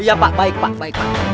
iya pak baik pak baik pak